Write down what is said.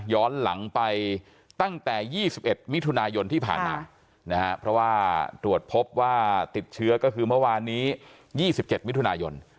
ย้อนหลังไปตั้งแต่ยี่สิบเอ็ดมิถุนายนที่ผ่านนะฮะเพราะว่าตรวจพบว่าติดเชื้อก็คือเมื่อวานนี้ยี่สิบเอ็ดมิถุนายน